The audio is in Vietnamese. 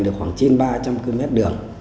được khoảng trên ba trăm linh km đường